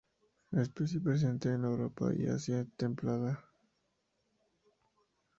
Especie presente en la Europa y Asia templada.